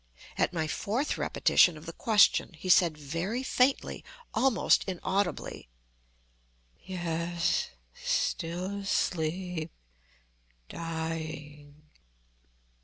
At my fourth repetition of the question, he said very faintly, almost inaudibly: "Yes; still asleep—dying."